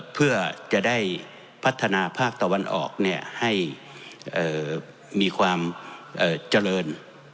เพื่อจะได้พัฒนาภาคตะวันออกให้มีความเจริญ